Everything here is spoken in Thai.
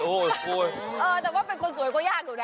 โอ้โหแต่ว่าเป็นคนสวยก็ยากอยู่นะ